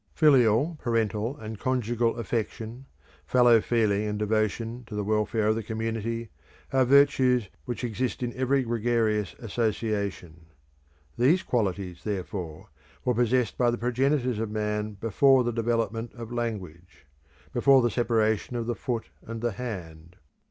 Filial, parental, and conjugal affection, fellow feeling and devotion to the welfare of the community, are virtues which exist in every gregarious association. These qualities, therefore, were possessed by the progenitors of man before the development of language, before the separation of the foot and the hand.